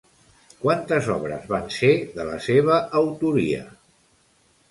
Quantes obres van ser de la seva autoria?